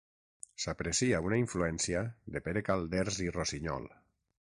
S'aprecia una influència de Pere Calders i Rossinyol.